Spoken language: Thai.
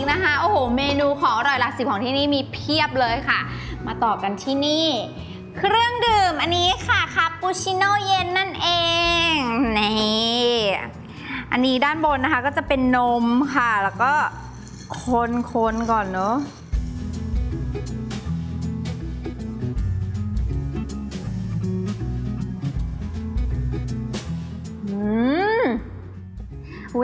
นั่นเองนี่อันนี้ด้านบนนะคะก็จะเป็นนมค่ะแล้วก็คนคนก่อนเนอะ